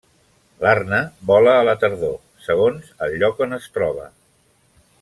L'arna vola a la tardor, segons el lloc on es troba.